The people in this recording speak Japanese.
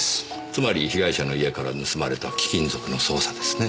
つまり被害者の家から盗まれた貴金属の捜査ですね。